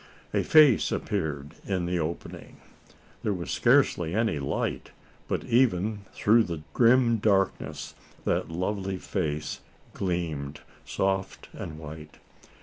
A face appeared in the opening! There was scarcely any light; but even through the grim darkness that lovely face gleamed soft and white.